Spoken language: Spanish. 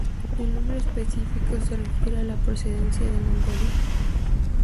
El nombre específico se refiere a la procedencia de Mongolia.